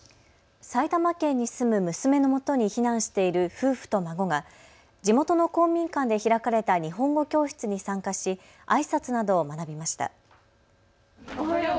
埼玉県に住む娘のもとに避難している夫婦と孫が地元の公民館で開かれた日本語教室に参加しあいさつなどを学びました。